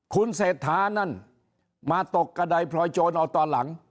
คุณเศรษฐานั่นมาตกกระดายพลอยโจรเอาตอนหลัง